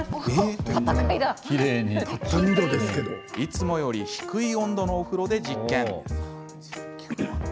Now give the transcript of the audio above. いつもより低い温度のお風呂で実験。